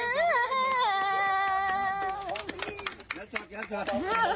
แล้วชด